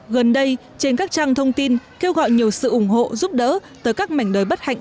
gần đây trên các trang thông tin kêu gọi nhiều sự ủng hộ giúp đỡ tới các mảnh đời bất hạnh